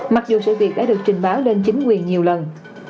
mặc dù sự việc đã được trình báo lên chính quyền nhiều lần